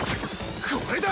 これだ！